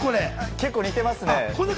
結構、似てますね。